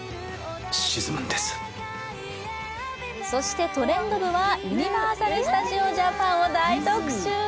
そして「トレンド部」はユニバーサル・スタジオ・ジャパンを大特集。